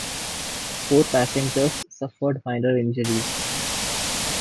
Four passengers suffered minor injuries.